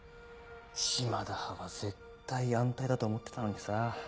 島田派は絶対安泰だと思ってたのにさ。